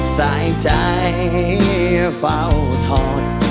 สายใจเฝ้าทอน